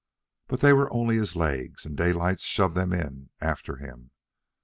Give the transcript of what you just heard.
But they were only his legs, and Daylight shoved them in; after him.